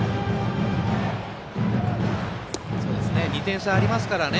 ２点差ありますからね